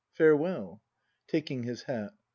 Farewell. [Taking his hat.